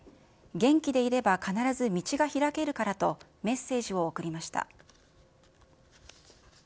元気でいれば必ず道が開けるからとメッセージを送りました。